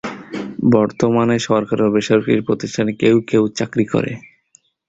বর্তমানে সরকারি ও বেসরকারি প্রতিষ্ঠানে কেউ কেউ চাকরি করে।